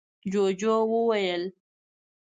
ُجوجُو وويل: